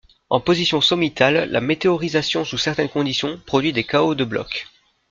En positions sommitales, la météorisation sous certaines conditions, produit des chaos de blocs.